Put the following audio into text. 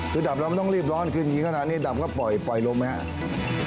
คือดับเราไม่ต้องรีบร้อนกินกี่ขนาดนี้ดับก็ปล่อยลมไหมครับ